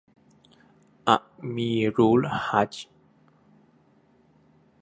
อะมีรุ้ลฮัจย์